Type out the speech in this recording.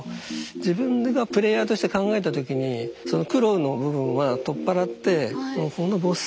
自分がプレイヤーとして考えた時にその苦労の部分は取っ払ってほんとボス